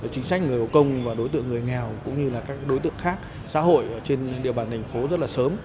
chính sách người có công và đối tượng người nghèo cũng như là các đối tượng khác xã hội trên địa bàn thành phố rất là sớm